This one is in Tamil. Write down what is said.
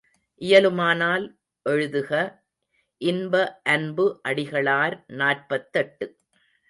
இயலுமானால் எழுதுக இன்ப அன்பு அடிகளார் நாற்பத்தெட்டு.